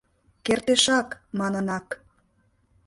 Кертешак», Манынак